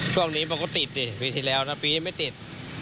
ช่วงนี้มันก็ติดดิปีที่แล้วนะปีนี้ไม่ติด